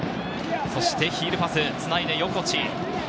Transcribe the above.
ヒールパス、つないで、横地。